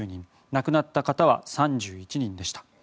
亡くなった方は３１人でした。